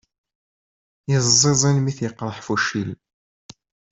Yeẓẓizin mi t-yeqreḥ fuccil.